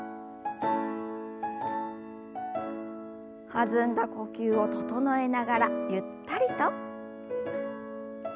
弾んだ呼吸を整えながらゆったりと。